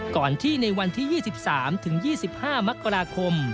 ก่อนที่ในวันที่๒๓๒๕มกราคม